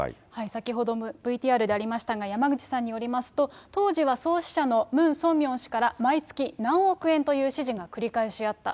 先ほどもＶＴＲでありましたが、山口さんによりますと、当時は創始者のムン・ソンミョン氏から毎月何億円という指示が繰り返しあった。